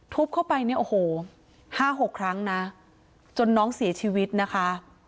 เข้าไปเนี่ยโอ้โหห้าหกครั้งนะจนน้องเสียชีวิตนะคะ